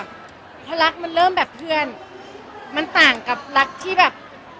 เพราะรักมันเริ่มแบบเพื่อนมันต่างกับรักที่แบบ